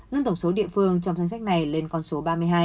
nâng tổng số địa phương trong danh sách này lên con số ba mươi hai